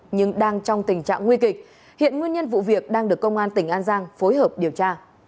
nhưng đang trong tình trạng nguy kịch hiện nguyên nhân vụ việc đang được công an tỉnh an giang phối hợp điều tra